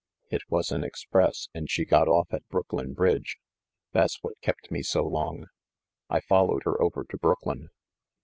It was an express, and she got off at Brooklyn Bridge. That's what kept me so long. I followed her over to Brooklyn."